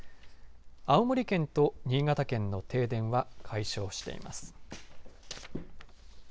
青森県と新潟県の停電は解消しています。